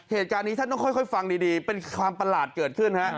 เหตุการณ์นี้ท่านต้องค่อยฟังดีเป็นความประหลาดเกิดขึ้นฮะ